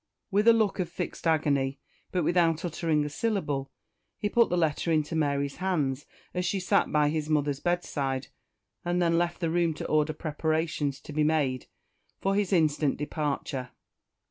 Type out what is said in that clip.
With a look of fixed agony, but without uttering a syllable, he put the letter into Mary's hand as she sat by his mother's bedside, and then left the room to order preparations to be made for his instant departure.